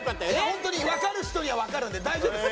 本当にわかる人にはわかるんで大丈夫です。